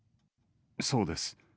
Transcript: そうです。